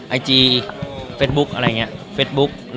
ไอจีเฟทบุ๊คอะไรอย่างนี้